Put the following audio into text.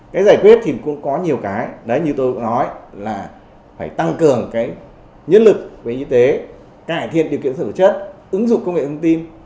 cái giải quyết thì cũng có nhiều cái đấy như tôi có nói là phải tăng cường cái nhân lực về y tế cải thiện điều kiện thực chất ứng dụng công nghệ thông tin